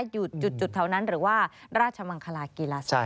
อยู่จุดแถวนั้นหรือว่าราชมังคลากีฬาสถาน